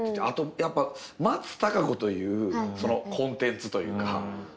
あとやっぱ松たか子というコンテンツというか。